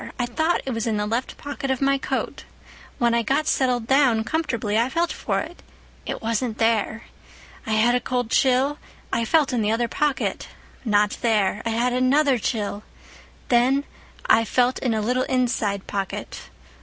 I thought it was in the left pocket of my coat. When I got settled down comfortably I felt for it. It wasn't there. I had a cold chill. I felt in the other pocket. Not there. I had another chill. Then I felt in a little inside pocket.